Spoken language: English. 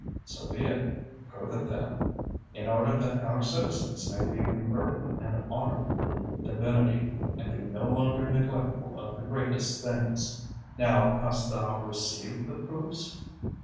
So be it; prove it then, in order that our citizens may be converted and honor the Divinity, and be no longer neglectful of the greatest things. ——"Now hast thou received the proofs?"